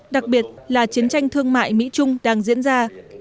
đặc biệt là chiến tranh thương mại mỹ trung đang diễn ra